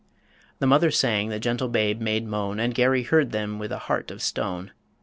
_ The mother sang, the gentle babe made moan And Garry heard them with a heart of stone ...